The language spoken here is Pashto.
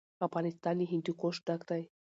افغانستان له هندوکش ډک دی.